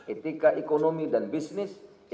etika ekonomi dan bisnis